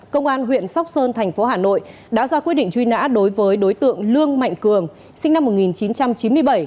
công an huyện sóc sơn thành phố hà nội đã ra quyết định truy nã đối với đối tượng lương mạnh cường sinh năm một nghìn chín trăm chín mươi bảy